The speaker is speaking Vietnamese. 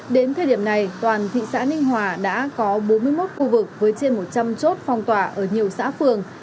đến thời điểm này toàn thị xã ninh hòa đã có bốn mươi một khu vực với trên một trăm linh chốt phong tỏa ở nhiều xã phường